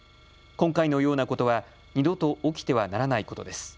今回のようなことは二度と起きてはならないことです。